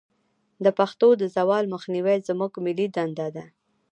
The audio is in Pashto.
د پښتو د زوال مخنیوی زموږ ملي دندې ده.